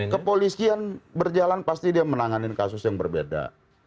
kepolisian berjalan pasti dia menanganin kasus yang berbeda